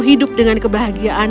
hidup dengan kebahagiaan